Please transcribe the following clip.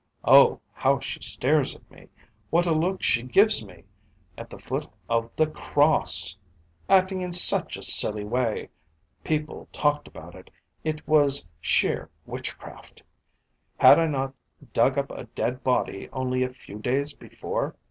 Oh, how she stares at me, what a look she gives me! At the foot of the cross! Acting in such a silly way! People talked about it. It was sheer witchcraft. Had I not dug up a dead body, only a few days before?